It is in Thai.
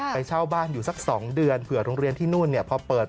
เช่าบ้านอยู่สัก๒เดือนเผื่อโรงเรียนที่นู่นพอเปิด